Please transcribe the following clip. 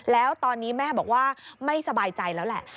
แล้วตอนนี้แม่บอกว่าไม่สบายใจแล้วแหละ